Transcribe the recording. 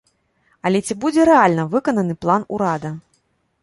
Але ці будзе рэальна выкананы план урада?